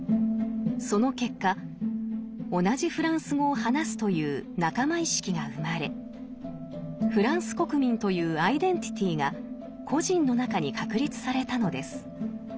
その結果同じフランス語を話すという仲間意識が生まれフランス国民というアイデンティティーが個人の中に確立されたのです。